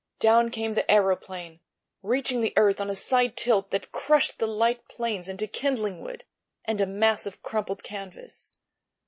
Down came the aëroplane, reaching the earth on a side tilt that crushed the light planes into kindling wood and a mass of crumpled canvas.